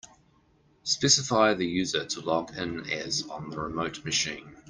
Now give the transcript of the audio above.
Specify the user to log in as on the remote machine.